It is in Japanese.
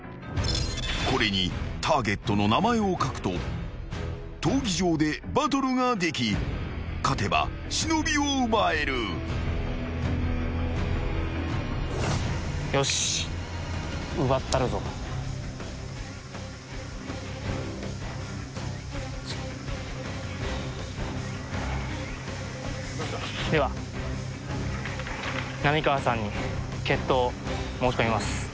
［これにターゲットの名前を書くと闘技場でバトルができ勝てば忍を奪える］では浪川さんに決闘を申し込みます。